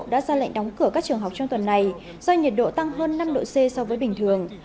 đã ra lệnh đóng cửa các trường học trong tuần này do nhiệt độ tăng hơn năm độ c so với bình thường